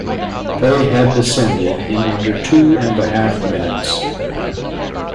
They had descended in under two and a half minutes.